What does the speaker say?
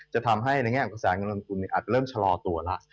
จะทำให้ในแง่ของกระแสเงินลงทุนอาจจะเริ่มชะลอตัวแล้ว